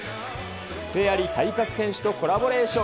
癖あり体格店主とコラボレーショ